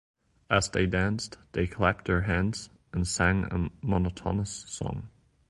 As they danced, they clapped their hands and sang a monotonous song.